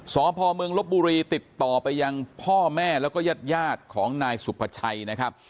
ศพรศลพบุรีติดต่อไปยังพ่อแม่ละก็ยดยาดของนายสุภาชัยนะครับ